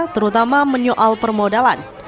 terutama menyoal permodalan